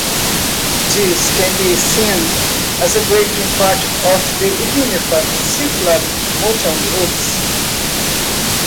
This can be seen as breaking part of the uniform circular motion rules.